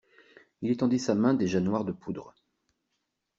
Il étendit sa main déjà noire de poudre.